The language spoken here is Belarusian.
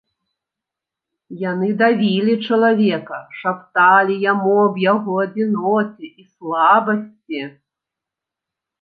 Яны давілі чалавека, шапталі яму аб яго адзіноце і слабасці.